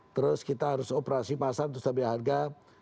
terus kita harus operasi pasar untuk setelah harga